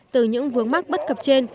từ những vướng mắt bất cập trên